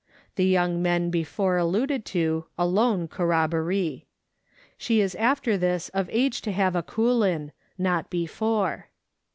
The young men before alluded to alone corrobboree. She is after this of age to have a kooliu, not before.